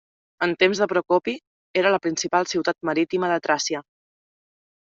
En temps de Procopi era la principal ciutat marítima de Tràcia.